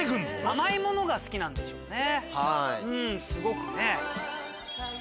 甘いものが好きなんでしょうね。